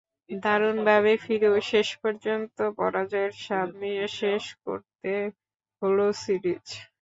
দারুণভাবে ফিরেও শেষ পর্যন্ত পরাজয়ের স্বাদ নিয়ে শেষ করতে হলো সিরিজ।